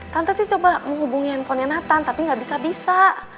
kan tadi coba menghubungi handphonenya nathan tapi nggak bisa bisa